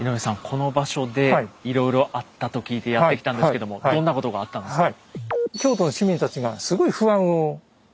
この場所でいろいろあったと聞いてやって来たんですけどもどんなことがあったんですか？